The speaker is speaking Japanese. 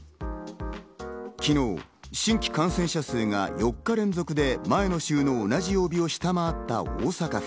昨日、新規感染者数が４日連続で前の週の同じ曜日を下回った大阪府。